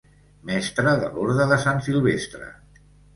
Mestre de l'Orde de Sant Silvestre.